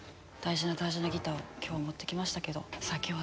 大事な大事なギターを今日持ってきましたけどさあ